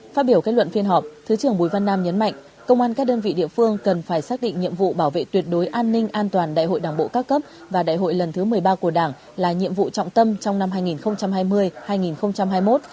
phát biểu kết luận phiên họp thứ trưởng bùi văn nam nhấn mạnh công an các đơn vị địa phương cần phải xác định nhiệm vụ bảo vệ tuyệt đối an ninh an toàn đại hội đảng bộ các cấp và đại hội lần thứ một mươi ba của đảng là nhiệm vụ trọng tâm trong năm hai nghìn hai mươi hai nghìn hai mươi một